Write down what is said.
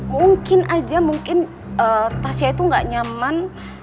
mungkin aja mungkin tasya itu gak nyaman